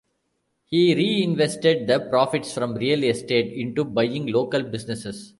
He re-invested the profits from real estate into buying local businesses.